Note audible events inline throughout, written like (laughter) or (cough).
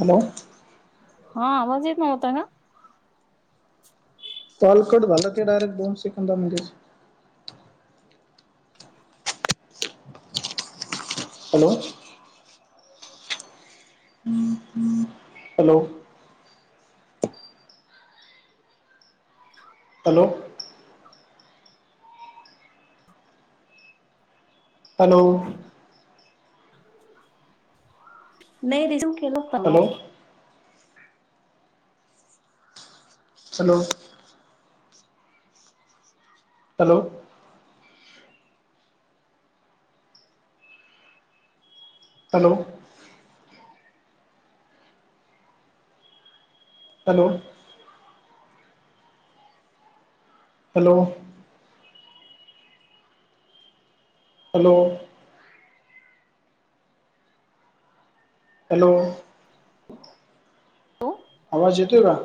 Hello. हा आवाज येत नव्हता ना. कॉल कट झालं ते, डायरेक्ट दोनसेकंदा मध्येच. Hello hello. हॅलो. हॅलो. नाही रिझ्यूम केलं. होतं. Hello. Hello. Hello. Hello. Hello. Hello. Hello. Hello. (inaudible) Hello आवाज येतो का?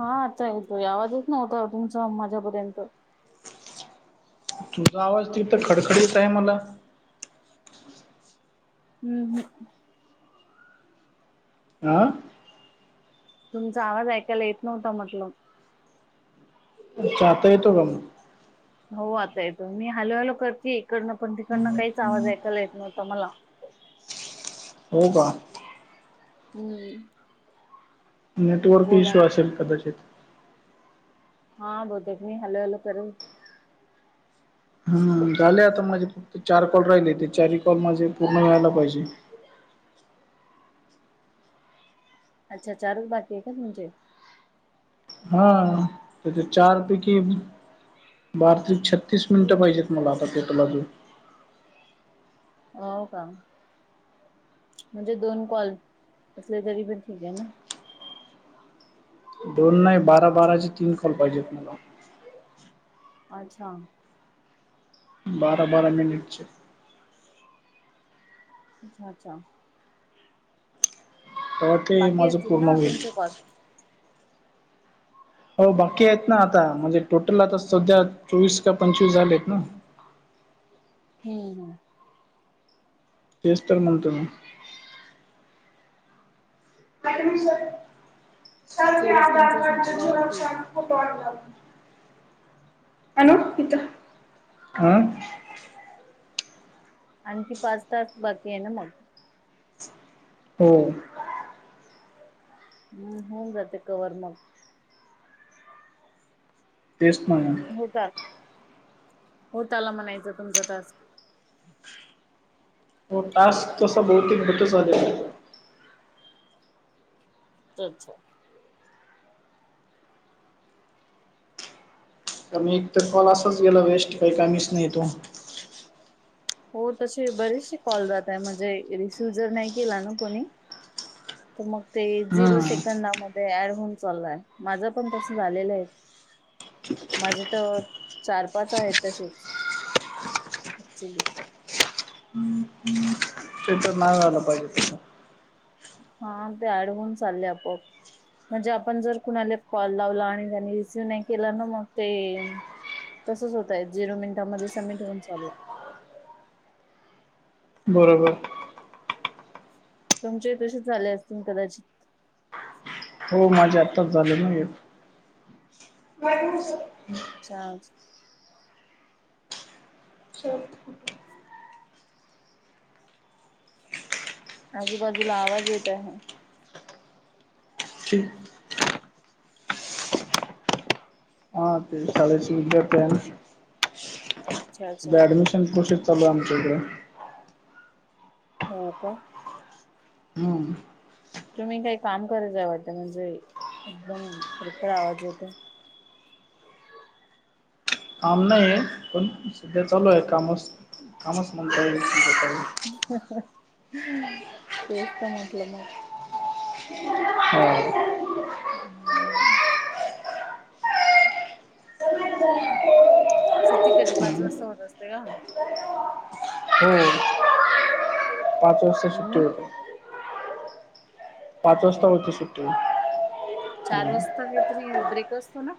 हा, आता येतोय आवाजाचं, नव्हता तुमचा माझ्यापर्यंत. तुझा आवाज तिथं, खडखडीत आहे मला. हम्म हम्म. आ तुमचा आवाज ऐकायला येत नव्हता म्हटलं आता येतो का मग हो आता येतो मी हॅलो, हॅलो करते इकडनं पण तिकडनं काहीच आवाज ऐकायला येत नव्हता मला हो का हम्म नेटवर्क बोला इश्यू ना. असेल कदाचित हा बहुतेक मी हॅलो, हॅलो करे हम् झाले आता माझे फक्त चार कॉल राहिले ते चार कॉल माझे पूर्ण व्हायला पाहिजे अच्छा चारच बाकी आहे का तुमचे हा त्याच्या चार पैकी बार त्रिक छत्तीस मिनिटं पाहिजेत मला आता तेटलाजून हो का? म्हणजे दोन कॉल असले तरी पण ठीक आहे ना दोन नाही बारा, बाराचे तीन कॉल पाहिजेत मला अच्छा! बारा, बारा मिनिटचे अच्छा, अच्छा हो ते बाकी माझं असतील पूर्ण ना होईल तुमचे कॉल हो बाकी आहेत ना आता म्हणजे टोटल आता सध्या चोवीस का पंचवीस झाले आहेत ना हम्म, हम्म तेच तर म्हणतो मी काही म्हंटलं सांग की चोवीस आधार पंचवीस कार्ड चे म्हटल्यावरती झेरॉक्स आण आणू इथं आ आणखी पाच टास्क बाकी आहे ना मग हो हम्म होऊन जाते कवर मग तेच म्हणलं होता होताला म्हणायचं तुमचा टास्क तो टास्क तसा बहुतेक भेटर आलेल आहे चल, चल का म एकतर कॉल असच गेला वेस्ट काही कामीच नाही तो हो तसे बरेचसे कॉल जात आहे म्हणजे रिसीव जर नाही केला ना कोणी तर मग ते झिरो हम्म. सेकंदामध्ये ऍड होऊन चाललाय माझं पण तसं झालेलं आहे माझे तर चार, पाच आहेत तसेच ऍक्च्युली (inaudible) नाही तर नाही व्हायला पाहिजे हा ते ऍड होऊन चालले आपोआप म्हणजे आपण जर कोणाला कॉल लावला आणि त्यानी रिसिव्ह नाही केला ना मग ते तसच होतय झिरो मिनिटामध्ये समिट होन चालला बरोबर तुमचे ही तसेच झाले असतील कदाचित हो माझे आत्ताच झालं नाही आहेत (inaudible) अच्छा चल आजूबाजूला आवाज येत आहे ठीक हा ते शाळेचे विद्यार्थी आहे ना अच्छा अच्छा तुझा ऍडमिशन कूषित चालू आमच्या इकड. हो का. हम्म तुम्ही काही काम करायचं वाटतं म्हणजे एकदम करकर आवाज येतोय काम नाहीय पण सध्या चालू आहे काम कामच म्हणता येल तेचत म्हटलं मग. (unintelligible) हम्म. सुट्टी कधी पाच वाजता होत असते का? हो पाच वाजता सुुट्टी हम्म होते. पाच अच्छा वाजता अच्छा होती सुट्टी चार वाजता काहीतरी ब्रेक असतो ना.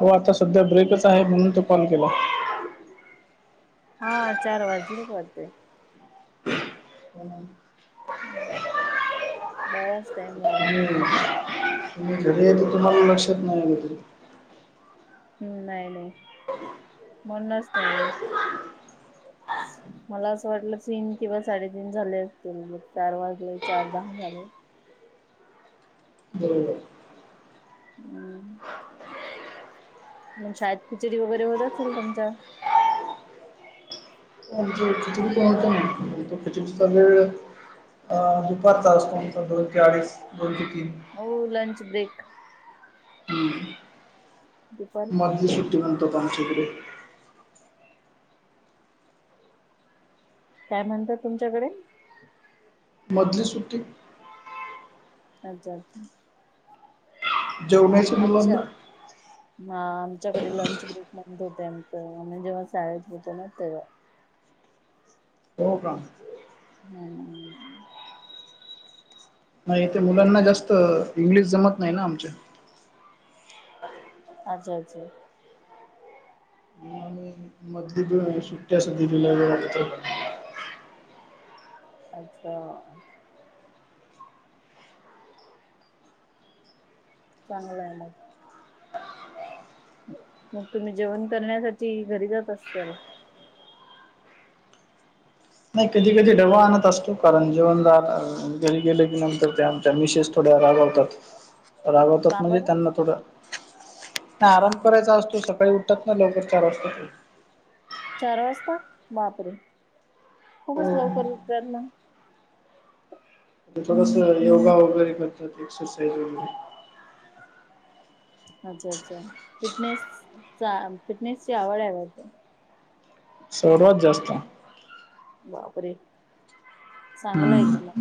हो आता सध्या ब्रेकच आहे म्हणून तर कॉल केला. हा चार वाजलेत वाटतंय. (inaudible) बर बर बरच टाईम झाला ना. परंतु तुम्हाला लक्षात नाही आला ते. हम्म नाही नाही म्हणूनच नाही. मला असं वाटलं तीन किंवा साडेतीन झाले असतील मग चार वाजले चार दहा झाले. बरोबर. हम्म. मग शाळेत खिचडी वगैरे होत असेल तुमच्या. (unintelligible) अ दुपारचाच तुमचं दोन ते अडीच दोन ते तीन. हो लंच ब्रेक. दुपारी मधली सुुट्टी म्हणतात आमच्याकडे. काय म्हणतात तुमच्याकडे? मधली सुट्टी आत जा की. जो मई आमच्यात. म आमच्याकडे लंच ब्रेक म्हणतो त्यानंतर आम्ही जेव्हा शाळेत होतो ना तेव्हा. हो का. हम्म. नाही इथं मुलांना जास्त इंग्लिश जमत नाही ना आमच्या. अ (inaudible) अच्छा अच्छा. मग मी. मधली दोन सुट्टयासा दिलेल वाटत. अच्छा. चांगला आहे मग. मग तुम्ही जेवण करण्यासाठी घरी जात असल. नाही कधी कधी डवा आणत असतो कारण जेवणला घरी गेलं की नंतर ते आमच्या मिशेस थोडेे रागवतात. रागवतात का म्हणजे बरं? त्यांना थोडं. आता आराम करायचा असतो सकाळी उठत नाय लवकर चार वाजता. चार वाजता बापरे हो खूपच लवकर म्हणजे उठतात मग. थोडस योगा वगैरे करतात एक्सरसाइज वगैरे. अच्छा अच्छा फिटनेस चा फिटनेस ची आवड आहे वाटतं. सर्वात जास्त. बापरे चांगलाय हम्म की मग.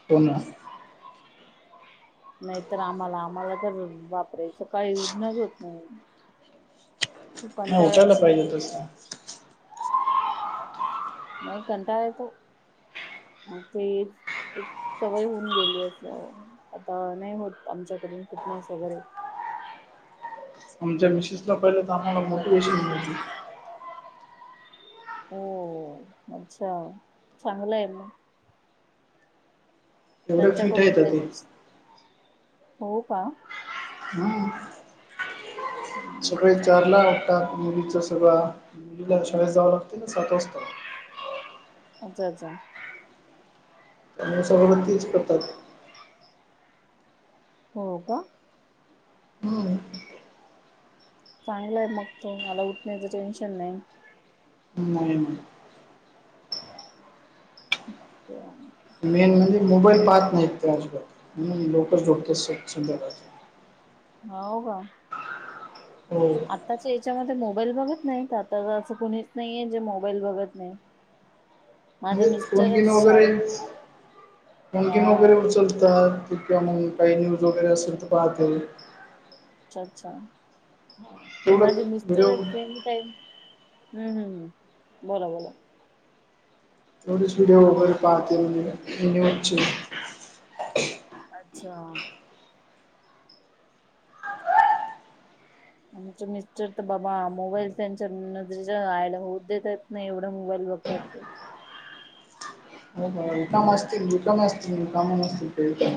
(unintelligible) नाहीतर आम्हाला आम्हाला तर बापरे सकाळी उठनच होत नाही. खूप मग कंटाळा उठयला येतो पाहिजे तस. नाही कंटाळं खूप आणि ते. एक सवय होऊन गेली असा आता नाही होत आमच्याकडून फिटनेस वगैरे. आमच्या मिसेसला पहिलं तर आम्हाला मोटिवे्शन मिळते. हो अच्छा चांगलं आहे मग. एवढे फिट त्यांच्याकडून आहेत ते काहीतरीच हो का? ह. सगळे अच्छा विचारला मुलीच सगळं मुलीला शाळेत जावं लागते सात वास्ता. अच्छा अच्छा. त्यांमुळे सगगतीच करतात. हो का? हम्म चांगलाय मग तो मला उठण्याचं टेन्शन नाही. हम् मुलींनो. अच्छा. मेन म्हणजे मोबाईल पाहत नाही तर अजबात लोकच ोकतंदरहात. हा हो का? होय. आताच्या याच्यामध्ये मोबाईल बघत नाही आता असं कुणीच नाहीये जे मोबाईल बघत नाही. (inaudible) माझे म्हणजे फोन गिन मिस्टरच वगैरे शाळेत फन हा गिन वगैरेचलतात. कंवा मग काही न्यूज वगैरे असेल तर पाहते. अच्छा अच्छा मी तेवढं माझे मिस्टर व्हिडिओ अस. हम्म हम् हम् बला बोला. थोढीस विडिओ बगून पाहतेने होचे. अच्छा. मच मिस्टर तर बाबा मोबाईल त्यांच्या नजरेच्या आयला होऊ देेत. नाही एवढा मोबाईल बघतात ते. हो रकाम असतील रिकमी असतीलकाम नसतील ते.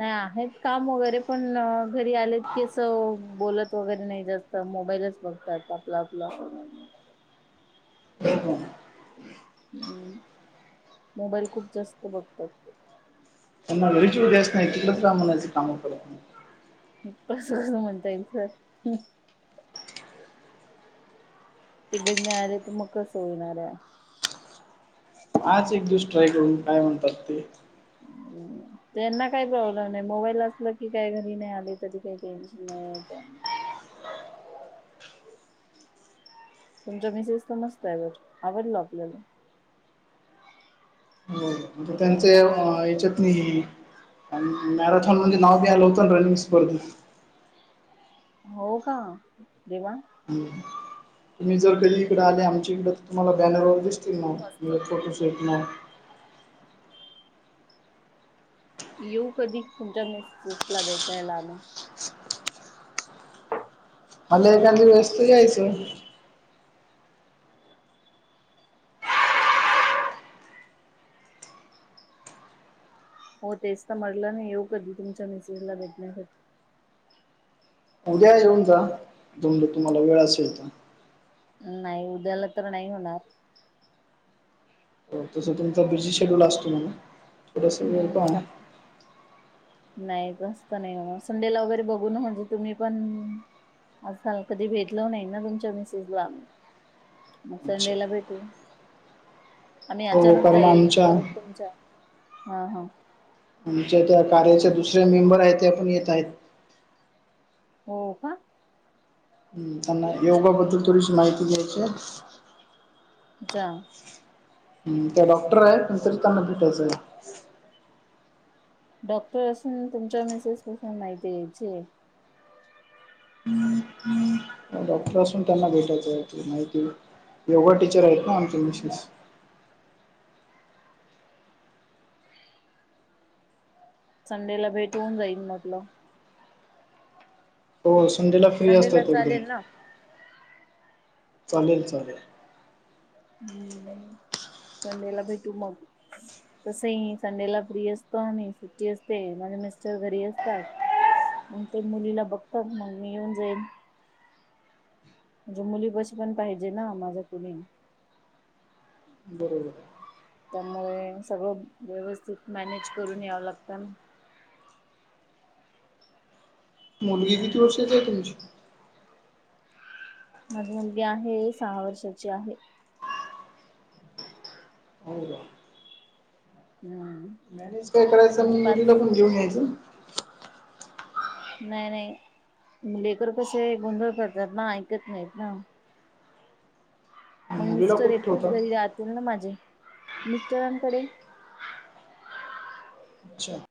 हा हेच काम वगैरे पण घरी आलेत की असं बोलत वगैरे नाही जास्त मोबाईलच. बघतात आपलं आपलं. हम् मोबाईल खूप जास्त बघतात. त्यांना वेळीचे अस नाही तिकच राम म्हच काम. असंच म्हणतय सर हम्म. तिकड नाही आले तर कसं होणार आहे. आज एक दिवस ट्राय करून काय म्हणतात ते. (inaudible) त्यांना काही जवळ आणाय प्रॉब्लेम नाही मोबाईल असल की काही घरी नाही आले तरी काही टेन्शन नाही. तुमचा मेसेज समस्ततय बरं आवडला आपल्याला. हो त्यांचे याच्यातनी. मॅरेथॉनमध्ये नाव बी आलं होतं ना रनिस करून. हो का देवा. ह तुम्ही जर कधी इकडं आले आमच्या इकड तुम्हाला बॅनर वगैरेस. म मस्त ये फोटो शूटला. येऊ कधी तुमच्या मी स्ूपला भेटायला आमी. आणि एखादी वेस्त जायच. हो तेच तर मटलं मी येऊ कधी तुमच्या मिसेसला भेटण्यासाठी. म उद्या येऊन जा तमज तुम्हाला मग वेळ असेल तर नाही उद्याला तर नाही होणार. हो तसं तुमचा बिझी शेड्यूल असतो थोडसं पण का? हम्म नाही तसत नाही संडेला वगैरे बघून म्हणजे तुम्ही पण. असाल कधी भेटलो नाही ना तुमच्या मिसेजला. मग अच्छा संडेला भेटू. आम्ही हो अचानक कारण जाईल आमच्या परत तुमच्या हा हा. आमच्या त्या कार्याचे दुसरे मेंबर आहेत ते पण येत आहेत. हो का. हम्म त्यांना योगा बद्दल थोडीशी माहिती द्यायची आहे. जा हम्म त्या डॉक्टर आहे नंतरी त्यांना भेटायचं आहे डॉक्टर असून तुमच्या मेसेज पासून माहिती घ्यायची. (inaudible) डॉक्टर असून त्यांना भेटायचं आहे माहिती योगा टीचर आहेत ना आमचे मिशेस. संडेला भेट होऊन जाईल म्हटलं हो संडेला फ्री संडेला असतात एकदम. चालेल ना चालेल चालेल. (inaudible) संडेेला भेटू मग तसही संडेला फ्री असतो आणि सुट्टी असते माझे मिस्टर घरी असतात. मग ते मुलीला बघतात मग मी येऊन जाईन. म्हणजे मुली बशी पण पाहिजे ना माझ्या कुणी बरोबर त्यामुळे सगळं व्यवस्थित मॅनेज करून यावं लागत ना. मुलगी किती वर्षाची आहे तुमची. माझी मुलगी आहे, सहा वर्षाची आहे. हो हो. हम्म मॅनेज काय करायचं म्हणजे मी मुलीला पाच पण घेऊन यायचं नाही नाही लेकर कसे गोंधळ करतात ना ऐकत नाहीत ना. मग मुलीला मिस्टर कुठे एकटेच ठेवता घरी राहतील ना माझे मिस्टरांकडे. अच्छा